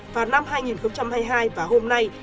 vào năm hai nghìn hai mươi hai và hôm nay